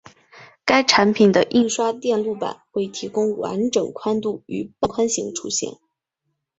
该产品的印刷电路板会提供完整宽度与半宽型出现。